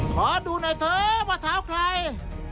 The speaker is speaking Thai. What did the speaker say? ขอดูหน่อยเถอะว่าเท้าใคร